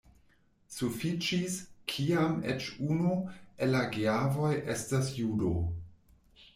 Sufiĉis kiam eĉ unu el la geavoj estas judo.